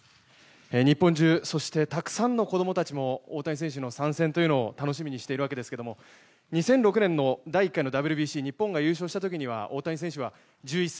日本中そしてたくさんの子供たちも大谷選手の参戦を楽しみにしているわけですが２００６年の第１回のＷＢＣ日本が優勝した時は大谷選手は１１歳。